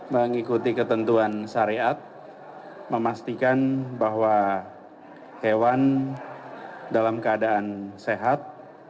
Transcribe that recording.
mengikuti ketentuan syariat memastikan bahwa hewan dalam keadaan sehat